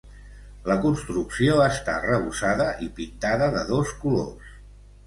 La construcció està arrebossada i pintada de dos colors.